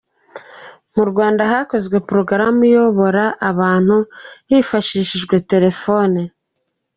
Mu Rwanda hakozwe porogaramu iyobora abantu hifashishijwe telefone